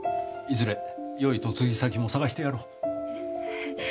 いずれ良い嫁ぎ先も探してやろう。